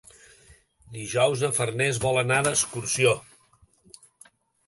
Dijous na Farners vol anar d'excursió.